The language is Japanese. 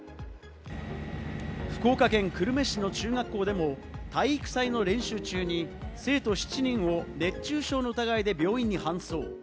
福岡県久留米市の中学校でも、体育祭の練習中に生徒７人を、熱中症の疑いで病院に搬送。